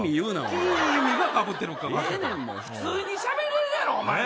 普通にしゃべれるやろ。